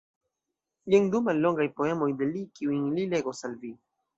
Jen du mallongaj poemoj de li, kiujn li legos al vi.